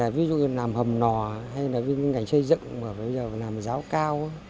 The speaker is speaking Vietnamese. ví dụ như làm hầm nò hay là bên ngành xây dựng mà bây giờ làm giáo cao